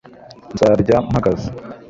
nzarya mpagaze